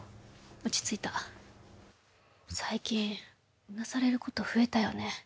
落ち着いた最近うなされること増えたよね